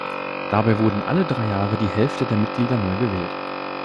Dabei wurde alle drei Jahre die Hälfte der Mitglieder neu gewählt.